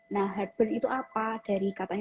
nah harbon itu apa dari katanya